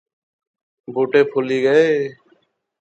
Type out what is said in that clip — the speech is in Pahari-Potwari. بُوٹے پُھلی غئے